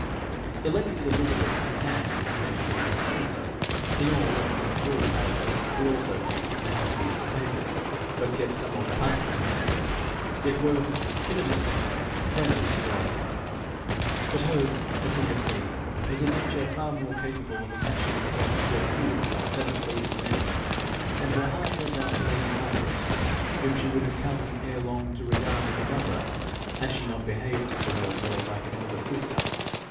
The ladies Elizabeth and Anne, had their gentlewomen also, in all only three, however, who also ate at the housekeeper's table, but kept somewhat apart from the rest yet were, in a distant way, friendly to Dorothy. But hers, as we have seen, was a nature far more capable of attaching itself to a few than of pleasing many; and her heart went out to lady Margaret, whom she would have come ere long to regard as a mother, had she not behaved to her more like an elder sister.